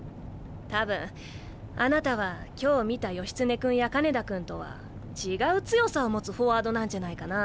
多分あなたは今日見た義経君や金田君とは違う強さを持つフォワードなんじゃないかな？